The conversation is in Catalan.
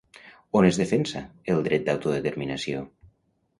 On es defensa el dret d'autodeterminació?